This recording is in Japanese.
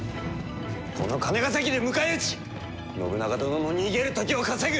この金ヶ崎で迎え撃ち信長殿の逃げる時を稼ぐ！